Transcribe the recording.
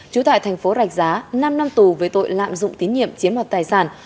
trú tại tp rạch giá năm năm tù với tội lạm dụng tín nhiệm chiếm hoạt tài sản